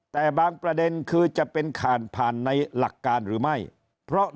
แต่บางประเด็นคือจะเป็นข่านผ่านในหลักการหรือไม่เพราะ